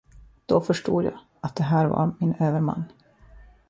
Då förstod jag, att här var min överman.